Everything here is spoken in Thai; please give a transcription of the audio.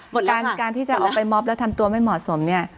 เพราะว่าการที่จะเอาไปมำทำตัวไม่เหมาะสมน่ะ